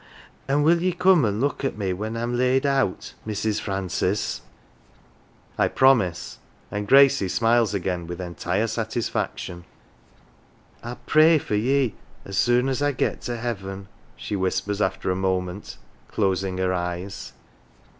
An' will ye come an' look at me when I'm laid out, Mrs. Francis ?" I promise, and Gracie smiles again with entire satis faction. "I'll pray for ye as soon as I get to heaven," she whispers after a moment, closing her eyes.